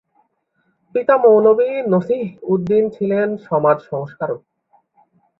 পিতা মৌলবি নসিহ্উদ্দীন ছিলেন সমাজ-সংস্কারক।